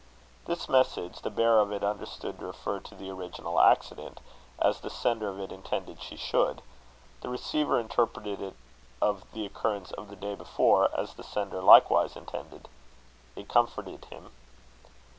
This message the bearer of it understood to refer to the original accident, as the sender of it intended she should: the receiver interpreted it of the occurrence of the day before, as the sender likewise intended. It comforted him.